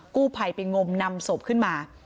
กู้ไพหายไปงมนำสพขึ้นมา